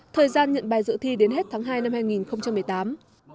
thời gian nhận bài dự thi đến hết tháng hai năm hai nghìn một mươi tám